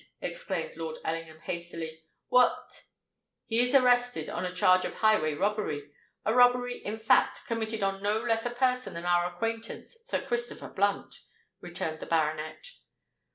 exclaimed Lord Ellingham hastily; "what——" "He is arrested on a charge of highway robbery—a robbery, in fact, committed on no less a person than our acquaintance Sir Christopher Blunt," returned the baronet.